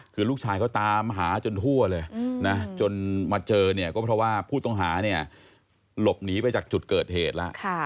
คือลูกชายเขาตามหาจนทั่วเลยนะจนมาเจอเนี่ยก็เพราะว่าผู้ต้องหาเนี่ยหลบหนีไปจากจุดเกิดเหตุแล้ว